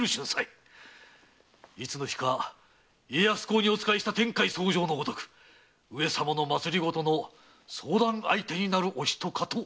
いつの日か家康公にお仕えした天海僧正のごとく上様の政の相談相手になるお人かと思われます。